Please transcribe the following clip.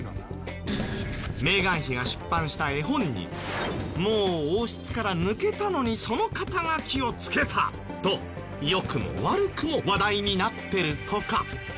メーガン妃が出版した絵本にもう王室から抜けたのにその肩書を付けたと良くも悪くも話題になってるとか。